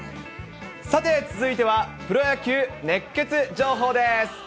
さて、続いてはプロ野球熱ケツ情報です。